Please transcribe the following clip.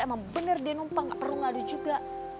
emang bener dia numpang nggak perlu ngadu juga